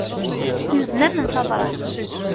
Yuzen-am-n tabrat.